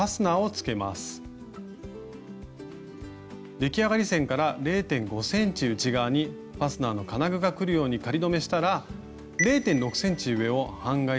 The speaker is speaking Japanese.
出来上がり線から０．５ｃｍ内側にファスナーの金具がくるように仮留めしたら０．６ｃｍ上を半返し縫いで縫います。